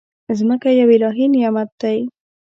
مځکه یو الهي نعمت دی.